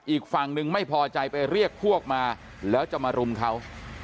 อีกฝั่งหนึ่งไม่พอใจไปเรียกพวกมาแล้วจะมารุมเขา